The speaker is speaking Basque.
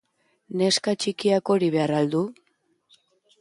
Neska txikiak hori behar al du?